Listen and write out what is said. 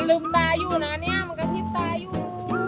มันลืมตายอยู่นะเนี่ยมันกระทิตย์ตายอยู่